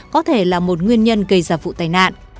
có thể là một nguyên nhân gây ra vụ tai nạn